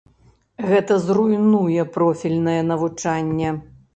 Гэта зруйнуе профільнае навучанне.